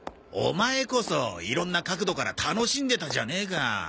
オマエこそいろんな角度から楽しんでたじゃねえか。